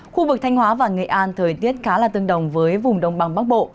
khu vực thanh hóa và nghệ an thời tiết khá là tương đồng với vùng đông bằng bắc bộ